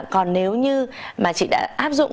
còn nếu như mà chị đã áp dụng